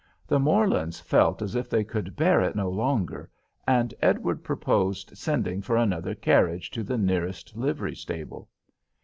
The Morlands felt as if they could bear it no longer, and Edward proposed sending for another carriage to the nearest livery stable.